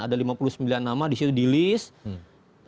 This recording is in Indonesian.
ada lima puluh sembilan nama di situ di list